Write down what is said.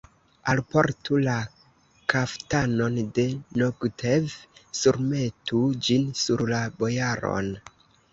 Alportu la kaftanon de Nogtev, surmetu ĝin sur la bojaron!